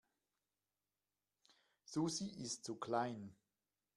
Susi ist zu klein.